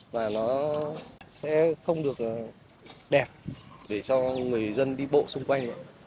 và nó sẽ không được đẹp để cho người dân đi bộ xung quanh nữa